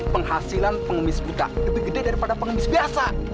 penghasilan penggemis buta lebih gede daripada penggemis biasa